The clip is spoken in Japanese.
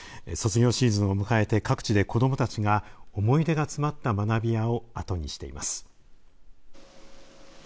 卒業シーズンを迎えて各地で子どもたちが思い出が詰まった学びやをあとにしています。